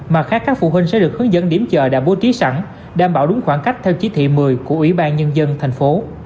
mà khác các phụ huynh sẽ được hướng dẫn điểm chờ đảm bố trí sẵn đảm bảo đúng khoảng cách theo chí thị một mươi của ủy ban nhân dân tp